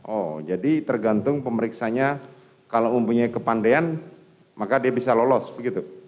oh jadi tergantung pemeriksanya kalau mempunyai kepandean maka dia bisa lolos begitu